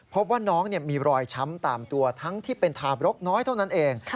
พบว่าน้องมีรอยช้ำตามตัวทั้งที่เป็นทาบรกน้อยเท่านั้นเอง